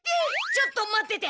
ちょっと待ってて！